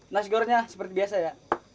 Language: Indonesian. nasigornya seperti biasa ya